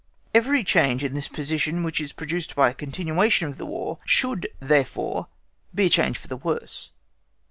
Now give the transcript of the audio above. Every change in this position which is produced by a continuation of the War should therefore be a change for the worse.